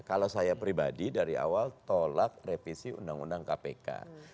kalau saya pribadi dari awal tolak revisi undang undang kpk